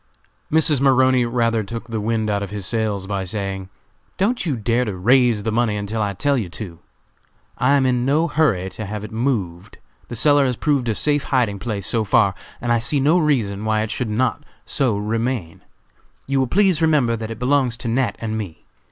Mrs. Maroney rather took the wind out of his sails by saying: "Don't you dare to 'raise' the money until I tell you to! I am in no hurry to have it moved; the cellar has proved a safe hiding place so far, and I see no reason why it should not so remain. You will please remember that it belongs to Nat. and me.